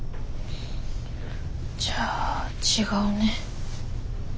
じゃあ違うね。